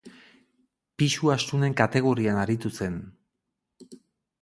Pisu astunen kategorian aritu zen.